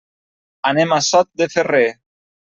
Anem a Sot de Ferrer.